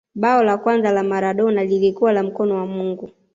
bao la kwanza la maradona lilikuwa la mkono wa mungu